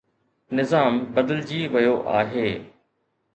نظام بدلجي ويو آهي.